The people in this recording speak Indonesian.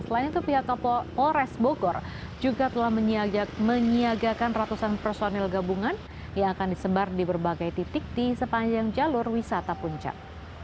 selain itu pihak kapolres bogor juga telah menyiagakan ratusan personil gabungan yang akan disebar di berbagai titik di sepanjang jalur wisata puncak